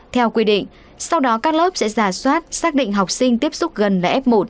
theo quy định sau đó các lớp sẽ giả soát xác định học sinh tiếp xúc gần là f một